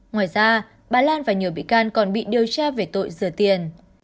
ngoài ra bà lan và nhiều bị can còn bị điều tra về tội rửa tiền